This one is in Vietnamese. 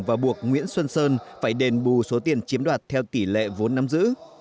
và buộc nguyễn xuân sơn phải đền bù số tiền chiếm đoạt theo tỷ lệ vốn nắm giữ